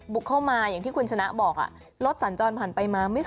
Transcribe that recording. เข้ามาอย่างที่คุณชนะบอกรถสัญจรผ่านไปมา